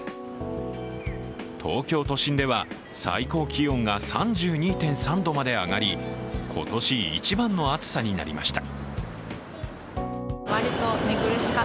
東京都心では最高気温が３２．３度まで上がり今年一番の暑さになりました。